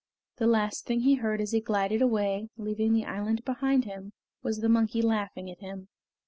The last thing he heard as he glided away, leaving the island behind him, was the monkey laughing at him.